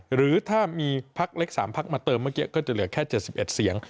หรือถ้ามีพักเล็ก๓พักมาเติมเมื่อกี้ก็จะเหลือแค่๗๑เสียง